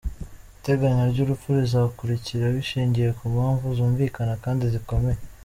Iteganya ry’urupfu ruzakurikira bishingiye ku mpamvu zumvikana kandi zikomeye.